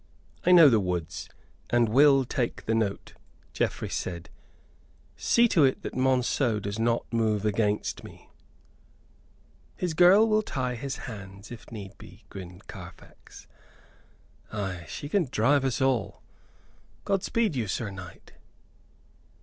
"I know the woods and will take the note," Geoffrey said. "See to it that Monceux does not move against me." "His girl will tie his hands, if need be," grinned Carfax. "Ay, she can drive us all. God speed you, Sir Knight."